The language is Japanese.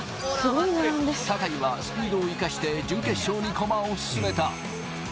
坂井はスピードを活かして準決勝に駒を進めた。